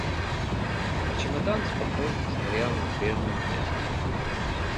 Чемодан спокойно стоял на прежнем месте.